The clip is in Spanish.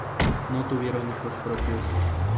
No tuvieron hijos propios.